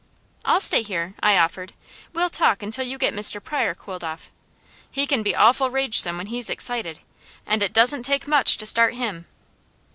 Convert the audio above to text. "I'll stay here," I offered. "We'll talk until you get Mr. Pryor cooled off. He can be awful ragesome when he's excited, and it doesn't take much to start him."